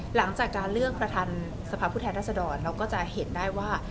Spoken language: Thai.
หลังจากการเลือกประธานสภาพผู้แทนรัศดรเราก็จะเห็นได้ว่า